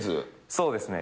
そうですね。